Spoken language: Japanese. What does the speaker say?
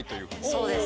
そうです。